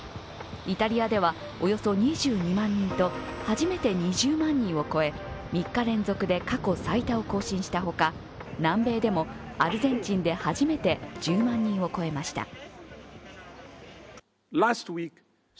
イタリアでは、およそ２２万人と初めて２０万人を超え３日連続で過去最多を更新したほか南米でもアルゼンチンで初めて１０万人を超えました。